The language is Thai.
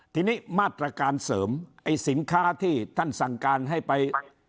ทีนี้มาตรการเสริมไอ้สินค้าที่ท่านสั่งการให้ไป